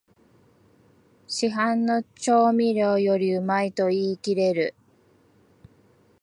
市販の調味料よりうまいと言いきれる